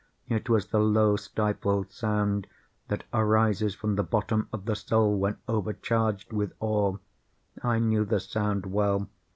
—it was the low stifled sound that arises from the bottom of the soul when overcharged with awe. I knew the sound well.